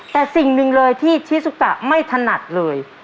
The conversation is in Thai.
แต่สิ่งหนึ่งเลยที่ชิสุกะไม่ถนัดเลย